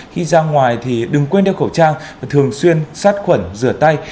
khi ra ngoài thì đừng quên đeo khẩu trang thường xuyên sát khuẩn rửa tay